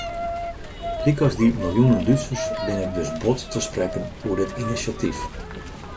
Lykas dy miljoenen Dútsers bin ik dus bot te sprekken oer dit inisjatyf.